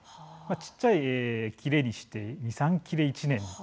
小さい切れにして２、３切れ１年。